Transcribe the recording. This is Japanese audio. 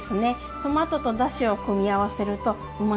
トマトとだしを組み合わせるとうまみたっぷり。